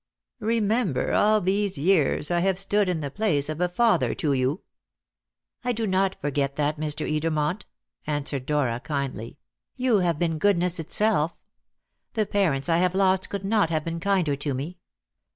Remember, all these years I have stood in the place of a father to you." "I do not forget that, Mr. Edermont," answered Dora kindly; "you have been goodness itself. The parents I have lost could not have been kinder to me."